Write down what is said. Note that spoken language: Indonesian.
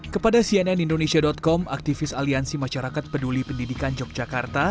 kepada cnn indonesia com aktivis aliansi masyarakat peduli pendidikan yogyakarta